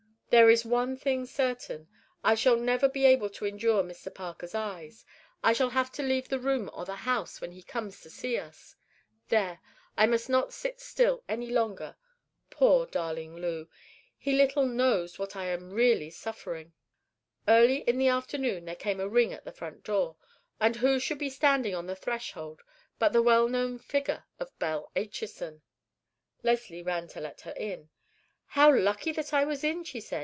There is one thing certain: I shall never be able to endure Mr. Parker's eyes. I shall have to leave the room or the house when he comes to see us. There, I must not sit still any longer. Poor darling Lew; he little knows what I am really suffering." Early in the afternoon there came a ring at the front door, and who should be seen standing on the threshold but the well known figure of Belle Acheson! Leslie ran to let her in. "How lucky that I was in," she said.